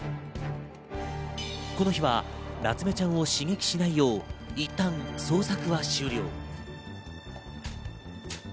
この日は、なつめちゃんを刺激しないよう、いったん捜索は終了。